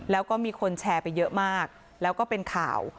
แล้วก็มีคนแชร์ไปเยอะมากแล้วก็เป็นข่าว